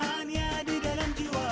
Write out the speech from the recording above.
hanya di dalam jiwa